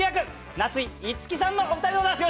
夏井いつきさんのお二人でございます！